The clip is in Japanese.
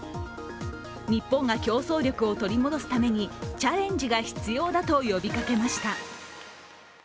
日本が競争力を取り戻すためにチャレンジが必要だと呼びかけました。